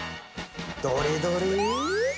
どれどれ。